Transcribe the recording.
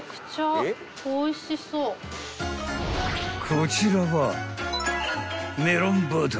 ［こちらは］